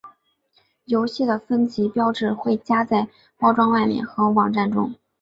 游戏的分级标志会加在包装外面和网站中。